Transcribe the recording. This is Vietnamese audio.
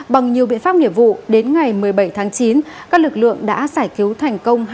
bằng nhiều biện pháp nghiệp vụ đến ngày một mươi bảy tháng chín các lực lượng đã giải cứu thành công